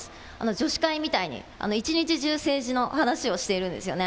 女子会みたいに一日中政治の話をしているんですよね。